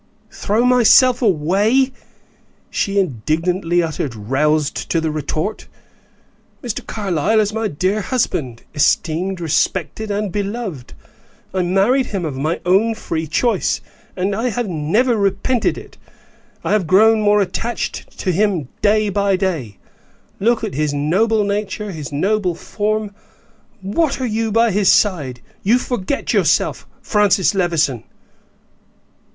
"Throw myself away!" she indignantly uttered, roused to the retort. "Mr. Carlyle is my dear husband, esteemed, respected, and beloved. I married him of my own free choice, and I have never repented it; I have grown more attached to him day by day. Look at his noble nature, his noble form; what are you by his side? You forget yourself, Francis Levison."